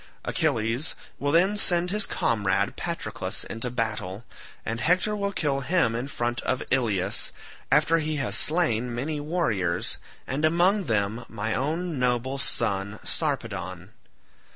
Achilles will then send his comrade Patroclus into battle, and Hector will kill him in front of Ilius after he has slain many warriors, and among them my own noble son Sarpedon.